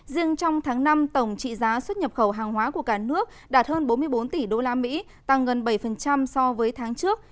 riêng trong tháng năm tổng trị giá xuất nhập khẩu hàng hóa của cả nước đạt hơn bốn mươi bốn tỷ usd tăng gần bảy so với tháng trước